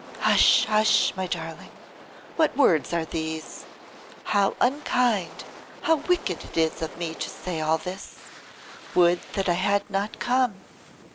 'Hush! hush! my darling. What words are these? How unkind, how wicked it is of me to say all this! Would that I had not come!